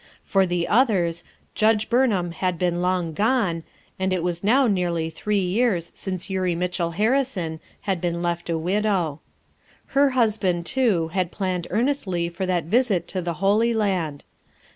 For the others, Judge Burnham had been long gone, and it was now nearly three years since Eurie Mitchell Harrison had been left a widow. Her husband, too, had planned earnestly for that visit to the Holy Land.